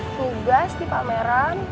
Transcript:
tugas di pameran